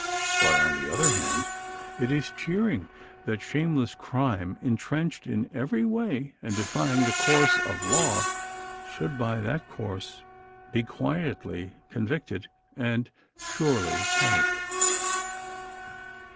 But, on the other hand, it is cheering that shameless crime intrenched in every way, and defying the course of law, should by that course be quietly convicted and surely punished.